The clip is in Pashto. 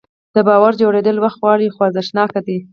د باور جوړول وخت غواړي خو ارزښتناک دی.